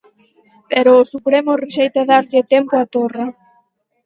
Pero o Supremo rexeita darlle tempo a Torra.